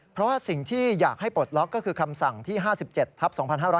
เพราะว่าสิ่งที่อยากให้ปลดล็อกก็คือคำสั่งที่๕๗ทัพ๒๕๕๙